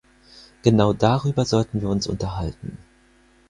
Genau darüber sollten wir uns unterhalten.